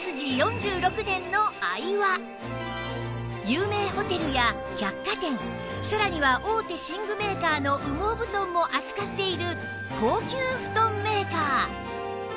有名ホテルや百貨店さらには大手寝具メーカーの羽毛布団も扱っている高級布団メーカー